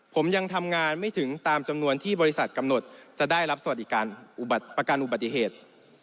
ผมยังทำงานไม่ถึงตามจำนวนที่บริษัทกำหนดจะได้รับสวัสดิการประกันอุบัติเหตุ